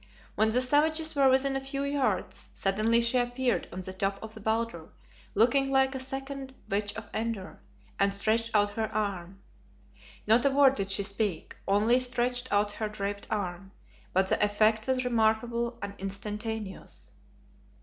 When the savages were within a few yards suddenly she appeared on the top of the boulder, looking like a second Witch of Endor, and stretched out her arm. Not a word did she speak, only stretched out her draped arm, but the effect was remarkable and instantaneous.